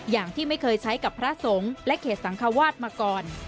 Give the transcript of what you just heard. อย่างที่ไม่เคยใช้กับพระสงฆ์และเขตสังควาสมาก่อน